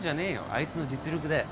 あいつの実力だよ。